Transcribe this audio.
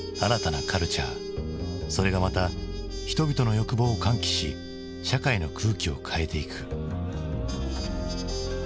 それがまた人々の欲望を喚起し社会の空気を変えていく。